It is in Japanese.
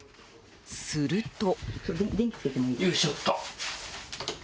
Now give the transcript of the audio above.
すると。